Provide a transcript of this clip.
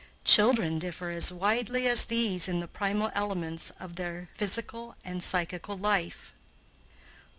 Children differ as widely as these in the primal elements of their physical and psychical life.